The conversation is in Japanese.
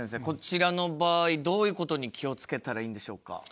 こちらの場合どういうことに気を付けたらいいんでしょうか？